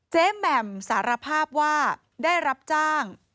แหม่มสารภาพว่าได้รับจ้าง